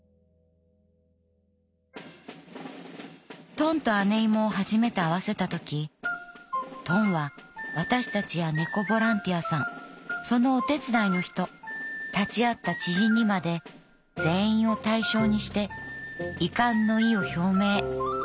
「トンとアネイモを初めて会わせた時トンは私たちや猫ボランティアさんそのお手伝いの人立ち会った知人にまで全員を対象にして遺憾の意を表明。